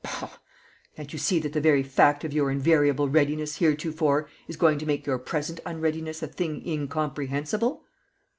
_ Bah! Can't you see that the very fact of your invariable readiness heretofore is going to make your present unreadiness a thing incomprehensible?"